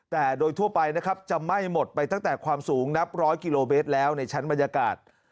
แต่โดยทั่วไปนะครับจะไหม้หมดไปตั้งแต่ความสูงนับร้อยกิโลเมตรแล้วในชั้นบรรยากาศ